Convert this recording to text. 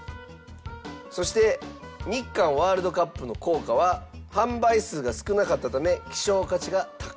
そして日韓ワールドカップの硬貨は販売数が少なかったため希少価値が高い。